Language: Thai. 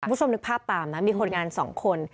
คุณผู้ชมนึกภาพตามนะมีคนงาน๒คน